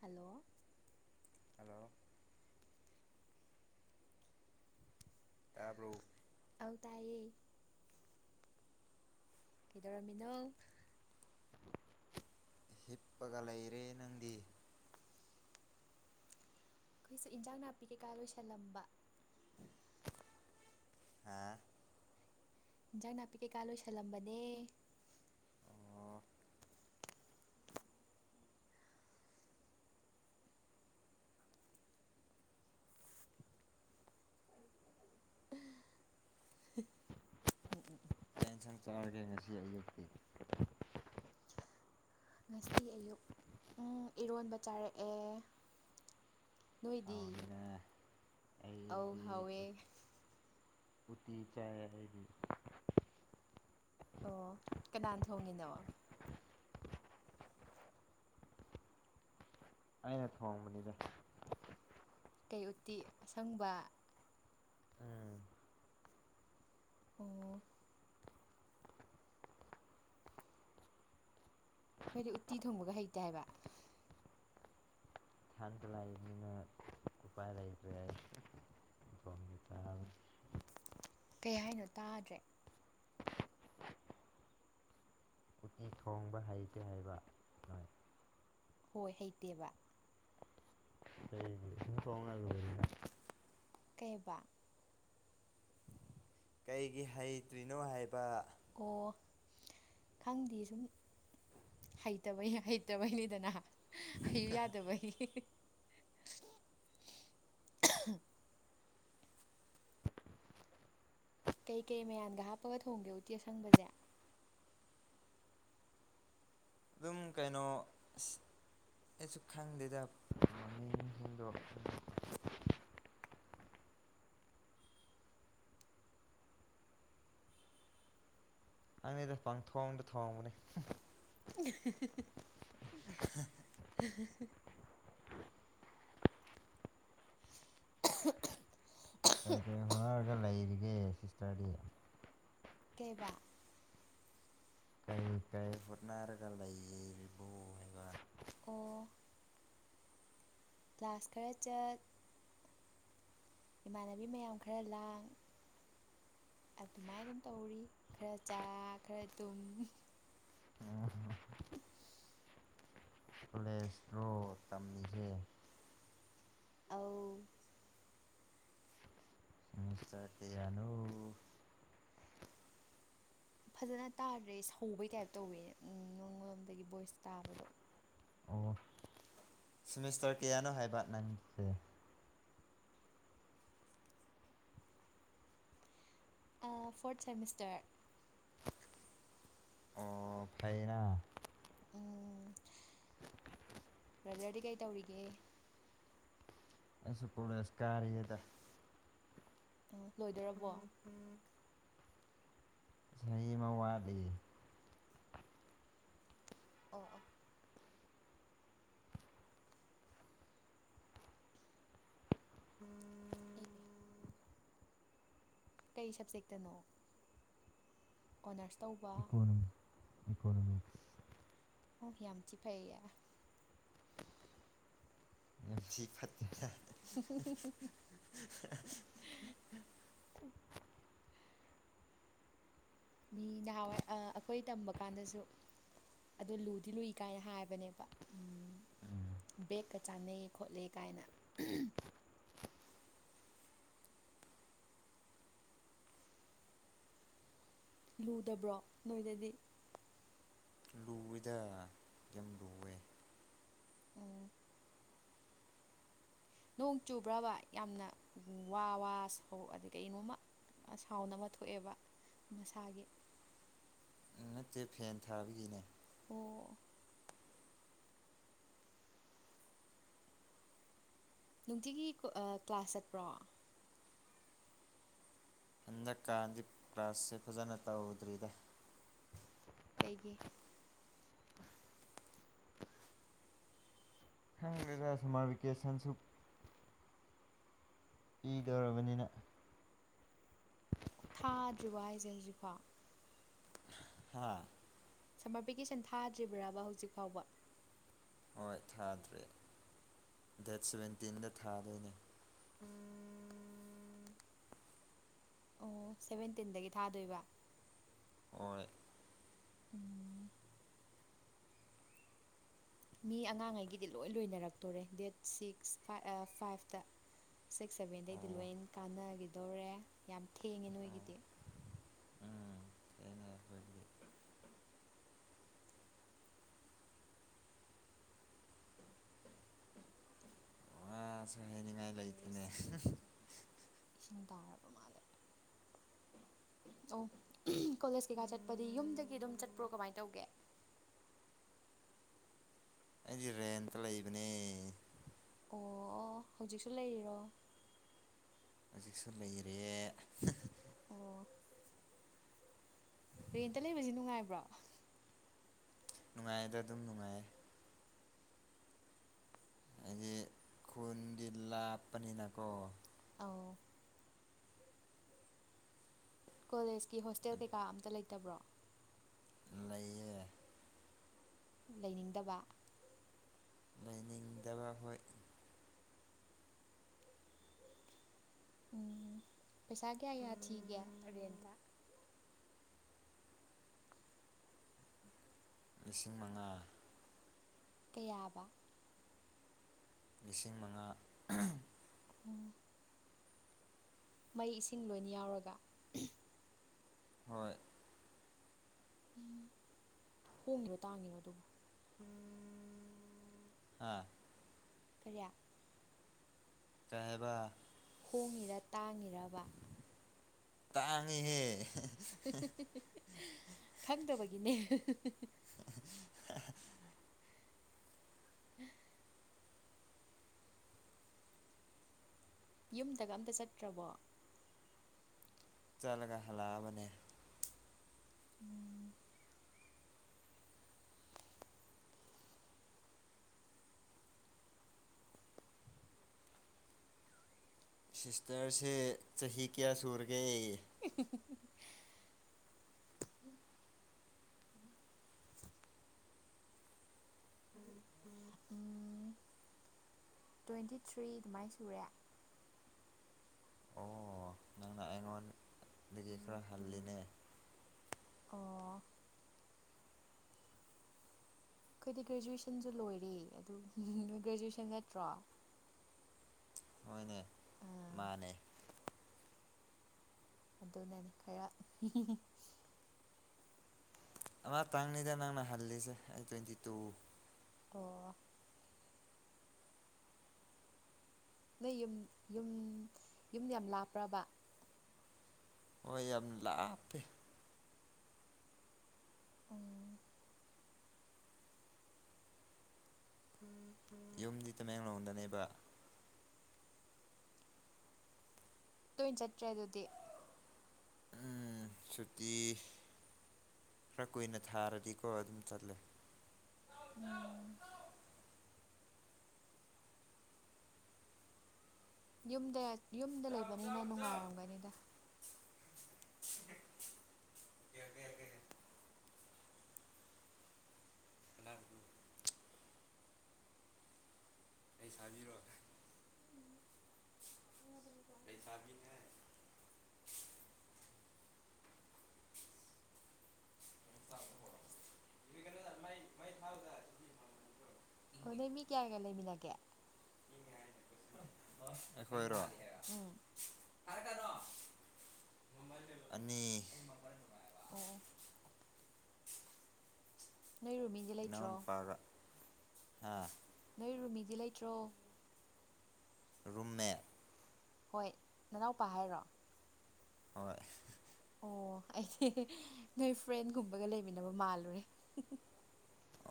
hello hello ꯇꯥꯕ꯭ꯔꯣ ꯑꯧ ꯇꯥꯏꯌꯦ ꯀꯩꯗꯧꯔꯝꯃꯤꯅꯣ ꯍꯤꯞꯄꯒ ꯂꯩꯔꯦ ꯅꯪꯗꯤ ꯈꯣꯏꯁꯨꯦ ꯏꯟꯖꯥꯡ ꯅꯥꯄꯤ ꯀꯩꯀꯥ ꯂꯣꯏꯁꯜꯂꯝꯕ ꯍꯥ ꯏꯟꯖꯥꯡ ꯅꯥꯄꯤ ꯀꯩꯀꯥ ꯂꯣꯏꯁꯜꯂꯝꯕꯅꯦ ꯑꯣ ꯎꯝ ꯎꯝ [unintelligible] ꯀꯩ [inaudible] ꯆꯥꯔꯒꯦ ꯉꯁꯤ ꯑꯌꯨꯛꯀꯤ ꯉꯁꯤ ꯑꯌꯨꯛ ꯎꯝ ꯏꯔꯣꯟꯕ ꯆꯥꯔꯛꯑꯦ ꯅꯣꯏꯗꯤ ꯍꯥꯎꯅꯤꯅ ꯑꯧ ꯑꯩꯗꯤ ꯍꯥꯎꯋꯦ ꯎꯇꯤ ꯆꯥꯏ ꯍꯥꯏꯗꯤ ꯑꯣ ꯀꯅꯥꯟ ꯊꯣꯡꯉꯤꯅꯣ ꯑꯩꯅ ꯊꯣꯡꯕꯅꯤꯗꯥ ꯀꯩ ꯎꯇꯤ ꯑꯁꯪꯕ ꯎꯝ ꯑꯣ ꯈꯣꯏꯗꯤ ꯎꯠꯇꯤ ꯊꯣꯡꯕꯒ ꯍꯩꯇꯦ ꯍꯥꯏꯕ ꯏꯊꯟꯇꯥ ꯂꯩꯕꯅꯤꯅ ꯎꯄꯥꯏ ꯂꯩꯇ꯭ꯔꯦ ꯊꯣꯡꯉꯤ ꯆꯥ ꯀꯩ ꯍꯥꯏꯅꯣ ꯇꯥꯗ꯭ꯔꯦ ꯎꯇꯤ ꯊꯣꯡꯕ ꯍꯩꯇꯦ ꯍꯥꯏꯕ ꯅꯣꯏ ꯍꯣꯏ ꯍꯩꯇꯦꯕ [unintelligible] ꯀꯩꯑꯕ ꯀꯩꯒꯤ ꯍꯩꯇ꯭ꯔꯤꯅꯣ ꯍꯥꯏꯕ ꯑꯣ ꯈꯪꯗꯦ ꯁꯨꯝ ꯍꯩꯇꯕꯩ ꯍꯩꯇꯕꯩꯅꯤꯗꯅ ꯍꯩꯌꯨ ꯌꯥꯗꯕꯩ ꯀꯩ ꯀꯩ ꯃꯌꯥꯟꯒ ꯍꯥꯞꯄꯒ ꯊꯣꯡꯒꯦ ꯎꯇꯤ ꯑꯁꯪꯕꯖꯦ ꯑꯗꯨꯝ ꯀꯩꯅꯣ ꯑꯩꯁꯨ ꯈꯪꯗꯦꯗ [unintelligible] ꯑꯪꯉꯩꯗ ꯄꯪꯊꯣꯡꯗ ꯊꯣꯡꯕꯅꯦ [unintelligible] [unintelligible] ꯈꯔꯒ ꯂꯩꯔꯤꯒꯦ ꯄꯁꯥꯗꯤ ꯀꯦꯕ ꯀ ꯐꯠꯅꯔꯒ ꯂꯩꯕꯣꯕ ꯑꯣ ꯀ꯭ꯂꯥꯁ ꯈꯔ ꯆꯠ ꯏꯃꯥꯟꯅꯕꯤ ꯃꯌꯥꯝ ꯈꯔ ꯂꯥꯡ ꯑꯗꯨꯃꯥꯏꯅ ꯑꯗꯨꯝ ꯇꯧꯔꯤ ꯈꯔ ꯆꯥ ꯈꯔ ꯊꯨꯝ ꯀꯂꯦꯁꯇ꯭ꯔꯣ ꯇꯝꯃꯤꯒꯦ ꯑꯥꯎ ꯎꯝ ꯆꯠꯇ ꯌꯥꯅꯣ ꯐꯖꯅ ꯇꯥꯗ꯭ꯔꯦ ꯁꯧꯕꯩ ꯇꯥꯏꯞ ꯇꯧꯋꯦꯅꯦ ꯎ ꯅꯣꯡꯃꯂꯣꯝꯗꯒꯤ ꯚꯣꯏꯁ ꯇꯥꯕꯗꯣ ꯑꯣ ꯁꯤꯃꯤꯁꯇꯔ ꯀꯌꯥꯅꯣ ꯍꯥꯏꯕ ꯅꯪꯁꯦ ꯐꯣꯔꯊ ꯁꯦꯃꯤꯁꯇꯔ ꯑꯣ ꯐꯩꯅ ꯎꯝ ꯕ꯭ꯔꯗꯔꯗꯤ ꯀꯩ ꯇꯧꯔꯤꯒꯦ ꯑꯩꯁꯨ ꯀꯣꯂꯦꯁ ꯀꯌꯦꯗ ꯂꯣꯏꯗꯣꯏꯔꯕꯣ ꯎꯝ [unintelligible] ꯃꯥꯗꯤ ꯑꯣ ꯑꯣ ꯎ ꯀꯩ ꯁꯞꯖꯦꯛꯇꯅꯣ ꯑꯣꯅꯔꯁ ꯇꯧꯕ ꯎꯝ ꯢꯀꯣꯅꯣꯃꯤꯛꯁ ꯑꯣ ꯌꯥꯝ ꯊꯤ ꯐꯩꯏ ꯌꯥꯝ ꯊꯤ ꯐꯠꯇ [unintelligible] ꯅꯍꯥꯟꯋꯥꯏ ꯑ ꯑꯩꯈꯣꯏ ꯇꯝꯕ ꯀꯥꯟꯗꯁꯨ ꯑꯗꯨ ꯂꯨꯗꯤ ꯂꯨꯏ ꯀꯥꯏꯅ ꯍꯥꯏꯕꯅꯦꯕ ꯎꯝ ꯕꯦꯛꯀ ꯆꯥꯟꯅꯩ ꯈꯣꯠꯂꯦ ꯀꯥꯏꯅ ꯂꯨꯗꯕ꯭ꯔꯣ ꯅꯣꯏꯗꯗꯤ ꯎꯗ [unintelligible] ꯎꯝ ꯅꯣꯡ ꯆꯨꯕ꯭ꯔꯕ ꯌꯥꯝꯅ ꯋꯥ ꯋꯥ ꯁꯧ ꯑꯗꯒꯤ ꯀꯩꯅꯣꯃ ꯁꯥꯎꯟ ꯑꯃ ꯊꯣꯛꯑꯦꯕ ꯃꯁꯥꯒꯤ ꯅꯠꯇꯦ ꯐꯦꯟ ꯊꯥꯕꯒꯤꯅꯦ ꯑꯣ ꯅꯨꯡꯇꯤꯒꯤ ꯑ‌ ꯀ꯭ꯂꯥꯁ ꯆꯠꯄ꯭ꯔꯣ ꯍꯟꯗꯛꯀꯥꯟꯗꯤ ꯀ꯭ꯂꯥꯁꯁꯦ ꯐꯖꯅ ꯇꯧꯗ꯭ꯔꯤꯗ ꯀꯩꯒꯤ ꯈꯪꯗꯦꯗ ꯁꯨꯃꯔ ꯚꯦꯀꯦꯁꯟꯁꯨ ꯏꯗꯧꯔꯕꯅꯤꯅ ꯊꯥꯗ꯭ꯔꯤꯕꯣ ꯍꯥꯏꯁꯦ ꯍꯧꯖꯤꯛꯐꯥꯎ ꯍꯥꯥ ꯁꯝꯃꯔ ꯚꯦꯀꯦꯁꯟ ꯊꯥꯗ꯭ꯔꯤꯕ꯭ꯔꯕ ꯍꯧꯖꯤꯛ ꯐꯥꯎꯕ ꯍꯣꯏ ꯊꯥꯗ꯭ꯔꯦ ꯗꯦꯠ ꯁꯚꯦꯟꯇꯤꯟꯗ ꯊꯥꯗꯣꯏꯅꯦ [unintelligible] ꯑꯣ ꯁꯦꯚꯦꯟꯇꯤꯟꯗꯒꯤ ꯊꯥꯗꯣꯏꯕ ꯑꯣꯏ ꯎꯝ ꯃꯤ ꯑꯉꯥꯡꯉꯩꯒꯤꯗꯤ ꯂꯣꯏ ꯂꯣꯏꯅꯔꯛꯇꯣꯔꯦ ꯗꯦꯠ ꯁꯤꯛꯁ ꯐꯥꯏ ꯐꯥꯏꯚꯇ ꯁꯤꯛꯁ ꯁꯦꯚꯦꯟꯗꯩꯗꯤ ꯑꯣ ꯂꯣꯏꯅ ꯀꯥꯟꯅꯒꯤꯗꯣꯔꯦ ꯌꯥꯝ ꯊꯦꯡꯉꯦ ꯑꯣ ꯅꯣꯏꯒꯤꯗꯤ ꯎꯝ [unintelligible] ꯉꯥꯍꯥꯏꯅꯤꯡꯉ ꯇꯨꯔꯤꯁ ꯏꯁꯤꯡ ꯇꯥꯔꯕ ꯃꯥꯜꯂꯦ ꯑꯣ ꯀꯣꯂꯦꯖ ꯀꯩꯀꯥ ꯆꯠꯄꯗꯤ ꯌꯨꯝꯗꯒꯤ ꯑꯗꯨꯝ ꯆꯠꯄ꯭ꯔꯣ ꯀꯃꯥꯏ ꯇꯧꯒꯦ ꯑꯩꯗꯤ ꯔꯦꯇ ꯂꯩ ꯏꯕꯅꯦ ꯑꯣ ꯑꯣ ꯍꯧꯖꯤꯛꯁꯨ ꯂꯩꯔꯤꯔꯣ ꯍꯧꯖꯤꯛꯁꯨ ꯂꯩꯔꯤꯌꯦ ꯑꯣ ꯔꯦꯟꯇ ꯂꯩꯕꯁꯤ ꯅꯨꯡꯉꯥꯏꯕ꯭ꯔꯣ ꯅꯨꯡꯉꯥꯏꯌꯦꯗ ꯑꯗꯨꯝ ꯅꯨꯡꯉꯥꯏꯌꯦ ꯍꯥꯏꯗꯤ ꯈꯨꯟꯗꯤ ꯂꯥꯞꯄꯅꯤꯅꯀꯣ ꯑꯧ ꯀꯣꯂꯦꯖꯀꯤ ꯍꯣꯁꯇꯦꯜ ꯀꯩꯀꯥ ꯑꯝꯇ ꯂꯩꯇꯕ꯭ꯔꯣ ꯂꯩꯌꯦ ꯂꯩꯅꯤꯡꯗꯕ ꯂꯩꯅꯤꯡꯗꯕ ꯍꯣꯏ ꯎꯝ ꯄꯩꯁꯥ ꯀꯌꯥ ꯀꯌꯥ ꯊꯤꯒꯦ ꯔꯦꯟꯇ ꯂꯤꯁꯤꯡ ꯃꯉꯥ ꯀꯌꯥꯑꯕ ꯂꯤꯁꯤꯡ ꯃꯉꯥ ꯎꯝ ꯃꯩ ꯏꯁꯤꯡ ꯂꯣꯏ ꯌꯥꯎꯔꯒ ꯍꯣꯏ ꯎꯝ ꯍꯣꯡꯉꯤꯔꯣ ꯇꯥꯡꯉꯤꯔꯣ ꯑꯗꯨꯕꯨ ꯑꯥ ꯀꯌꯥ ꯀꯥꯏ ꯍꯥꯏꯕ ꯍꯣꯡꯉꯤꯔ ꯇꯥꯡꯉꯤꯔꯕ ꯇꯥꯡꯉꯤꯍꯦ ꯈꯪꯗꯕꯒꯤꯅꯦ ꯎ ꯌꯨꯝꯗꯒ ꯑꯝꯇ ꯆꯠꯇ꯭ꯔꯕꯣ ꯆꯂꯒ ꯍꯜꯂꯛꯕꯅꯦ ꯎꯝ ꯁꯤꯁꯇꯔꯁꯦ ꯆꯍꯤ ꯀꯌꯥ ꯁꯨꯔꯒꯦ [unintelligible] ꯎꯝ ꯇ꯭ꯋꯦꯟꯇꯤ ꯊ꯭ꯔꯤ ꯗꯨꯃꯥꯏ ꯁꯨꯔꯦ ꯑꯣ ꯅꯪꯅ ꯑꯩꯉꯣꯟ ꯗꯒꯤ ꯈꯔ ꯍꯜꯂꯤꯅꯦ ꯑꯣ ꯈꯣꯏꯗꯤ ꯒ꯭ꯔꯦꯖꯨꯋꯦꯁꯟꯁꯨ ꯂꯣꯏꯔꯦ ꯑꯗꯨ ꯒ꯭ꯔꯦꯖꯨꯑꯦꯁꯟ ꯅꯠꯇ꯭ꯔꯣ ꯍꯣꯏꯅꯦ ꯃꯥꯅꯦ ꯑꯗꯨꯅꯅꯦ ꯈꯔ ꯑꯃꯇꯪꯅꯤꯗ ꯅꯪꯅ ꯍꯜꯂꯤꯁꯦ ꯑꯩ ꯇꯋꯦꯟꯤ ꯇꯨ ꯑꯣ ꯅꯣꯏ ꯌꯨꯝ ꯌꯨꯝ ꯌꯨꯝ ꯌꯥꯝ ꯂꯥꯞꯄ꯭ꯔꯕ ꯍꯣꯏ ꯌꯥꯝ ꯂꯥꯞꯄꯦ ꯎꯝ ꯎꯝ ꯎꯝ ꯌꯨꯝꯗꯤ ꯇꯃꯦꯡꯂꯣꯡꯗꯅꯦꯕ ꯇꯣꯏꯟ ꯆꯠꯇ꯭ꯔꯦ ꯑꯗꯨꯗꯤ ꯎꯝ ꯁꯨꯇꯤ ꯈꯔ ꯀꯨꯏꯅ ꯊꯥꯔꯗꯤꯀꯣ ꯑꯗꯨꯝ ꯆꯠꯂꯦ ꯎꯝ ꯌꯨꯝꯗ ꯌꯨꯝꯗ ꯂꯩꯕꯅꯤꯅ ꯅꯨꯡꯉꯥꯏꯔꯝꯒꯅꯤꯗ ꯑꯅꯤꯔꯣ ꯎꯝ ꯑꯗꯨꯅꯤꯀꯣ ꯂꯩꯁꯥꯕꯤꯅꯦ ꯑꯣ ꯅꯣꯏ ꯃꯤ ꯀꯌꯥ ꯀꯌꯥ ꯂꯩꯃꯤꯟꯅꯒꯦ ꯑꯩꯈꯣꯏꯔꯣ ꯎꯝ ꯊꯔꯛꯀꯥꯅꯣ ꯑꯅꯤ ꯑꯣ ꯑꯣ ꯅꯣꯏ ꯔꯨꯝꯃꯤ ꯏꯅꯥꯎ ꯅꯨꯄꯥꯒ ꯍꯥꯥ ꯅꯣꯏ ꯔꯨꯝꯃꯤꯗꯤ ꯂꯩꯇ꯭ꯔꯣ ꯔꯨꯝꯃꯦꯠ ꯍꯣꯏꯠ ꯅꯅꯥꯎꯄꯥ ꯍꯥꯏꯔꯣ ꯍꯣꯏ ꯑꯣ ꯑꯩꯗꯤ ꯅꯣꯏ ꯐ꯭ꯔꯦꯟꯒꯨꯝꯕꯒ ꯂꯩꯃꯤꯟꯅꯕ ꯃꯥꯜꯂꯨꯔꯦ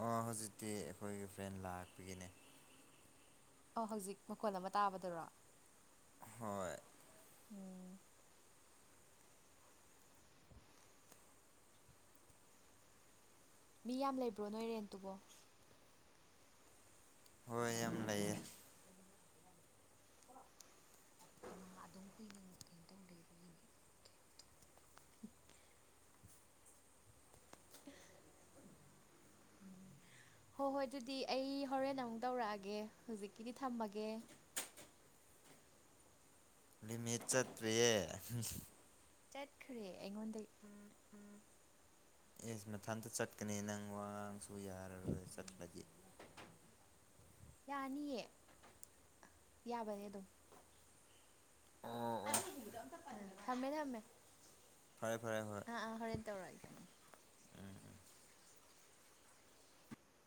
ꯑꯣ ꯍꯧꯖꯤꯛꯇꯤ ꯑꯩꯈꯣꯏꯒꯤ ꯐ꯭ꯔꯦꯟ ꯂꯥꯛꯄꯒꯤꯅꯦ ꯑꯣ ꯍꯧꯖꯤꯛ ꯃꯈꯣꯟ ꯑꯃ ꯇꯥꯕꯗꯨꯔꯣ ꯍꯣꯏ ꯎꯝ ꯃꯤ ꯌꯥꯝ ꯂꯩꯕ꯭ꯔꯣ ꯅꯣꯏ ꯔꯦꯟꯇꯨꯕꯣ ꯍꫭꯏ ꯌꯥꯝ ꯂꯩꯌꯦ ꯍꯩꯃꯥ ꯑꯗꯨꯝ ꯀꯨꯏꯅ ꯀꯩꯅꯣ ꯇꯧꯗꯦ ꯑꯗꯨꯒꯤꯅꯤ [inaudible] ꯍꯣ ꯍꯣꯏ ꯑꯗꯨꯗꯤ ꯑꯩ ꯍꯣꯔꯦꯟ ꯑꯃꯨꯛ ꯇꯧꯔꯛꯑꯒꯦ ꯍꯧꯖꯤꯛꯀꯤꯗꯤ ꯊꯝꯃꯒꯦ ꯂꯤꯃꯤꯠ ꯆꯠꯇ꯭ꯔꯤꯌꯦ ꯆꯠꯈ꯭ꯔꯦ ꯑꯩꯉꯣꯟꯗꯩꯩ ꯑꯦꯁ ꯃꯊꯟꯇ ꯆꯠꯀꯅꯤ ꯅꯪ ꯋꯥꯉꯥꯡꯁꯨ ꯌꯥꯔꯔꯣꯏ ꯆꯠꯈ꯭ꯔꯥꯗꯤ ꯌꯥꯅꯤꯌꯦ ꯌꯥꯕꯅꯦ ꯑꯗꯨꯝ ꯑꯣ ꯑꯣ ꯊꯝꯃꯦ ꯊꯝꯃꯦ ꯐꯔꯦ ꯐꯔꯦ ꯍꯣꯏ ꯑ ꯍꯣꯔꯦꯟ ꯇꯧꯔꯒꯦ ꯎꯝ ꯎꯝ